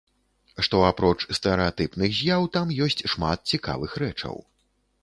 Што апроч стэрэатыпных з'яў, там ёсць шмат цікавых рэчаў.